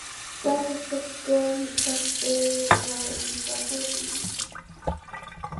The suspects claimed that they were in jeopardy.